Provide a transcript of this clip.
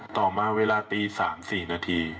ต่อมาเวลาตี๓๔นาที